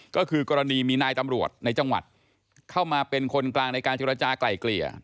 ก็คือกรณีมีนายตำรวจในจังหวัดเข้ามาเป็นคนกลางในการเจรจากลายเกลี่ย